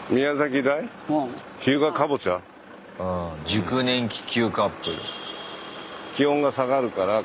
「熟年気球カップル」。